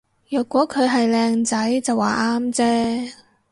若果佢係靚仔就話啱啫